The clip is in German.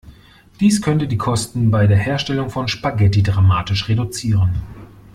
Dies könnte die Kosten bei der Herstellung von Spaghetti dramatisch reduzieren.